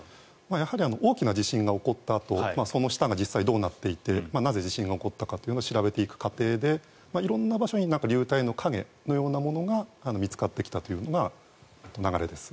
やはり大きな地震が起こったあとその下が実際にどうなっていたのかなぜ地震が起こったのかというのを調べていく過程で色んな場所に流体の影のようなものが見つかってきたというのが流れです。